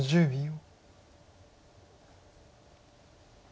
１０秒。